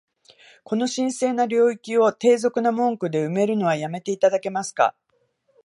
この神聖な領域を、低俗な文句で埋めるのは止めて頂けますか？